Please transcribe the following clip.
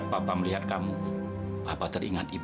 kamu harus ber vitik